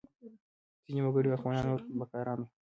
ځینې وګړي واکمنان او نور خدمتګاران وو.